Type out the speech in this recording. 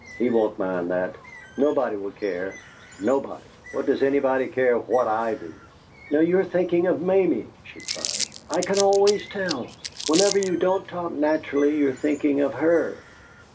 He won't mind that; nobody will care! Nobody! What does anybody care what I do!" "Now you're thinking of Mamie!" she cried. "I can always tell. Whenever you don't talk naturally you're thinking of her!"